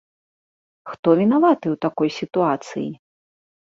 Хто вінаваты ў такой сітуацыі?